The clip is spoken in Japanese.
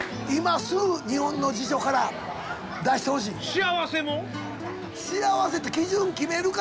幸せも？